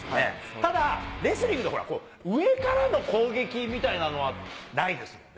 ただ、レスリングってほら、上からの攻撃みたいなのはないですよね。